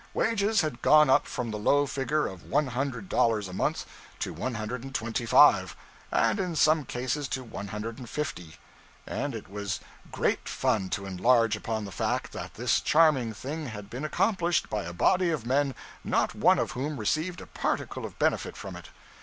Wages had gone up from the low figure of one hundred dollars a month to one hundred and twenty five, and in some cases to one hundred and fifty; and it was great fun to enlarge upon the fact that this charming thing had been accomplished by a body of men not one of whom received a particle of benefit from it.